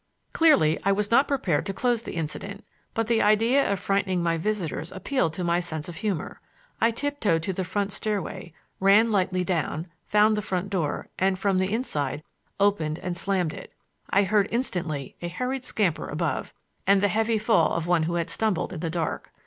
Clearly, I was not prepared to close the incident, but the idea of frightening my visitors appealed to my sense of humor. I tiptoed to the front stairway, ran lightly down, found the front door, and, from the inside, opened and slammed it. I heard instantly a hurried scamper above, and the heavy fall of one who had stumbled in the dark.